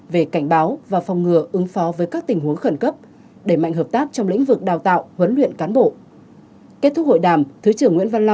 về cảnh báo và phòng ngừa ứng phó với các tình huống khẩn cấp đẩy mạnh hợp tác trong lĩnh vực đào tạo huấn luyện cán bộ